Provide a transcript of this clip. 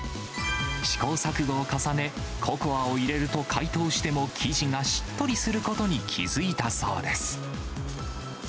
試行錯誤を重ね、ココアを入れると解凍しても生地がしっとりすることに気付いたそうです。